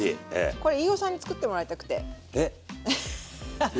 これ飯尾さんに作ってもらいたくて。